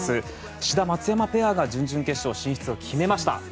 志田、松山ペアが準々決勝進出を決めました。